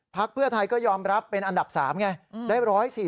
ภักดิ์เพื่อไทยก็ยอมรับเป็นอันดับสามไงได้๑๔๑